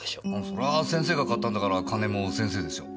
そらあ先生が買ったんだから金も先生でしょ。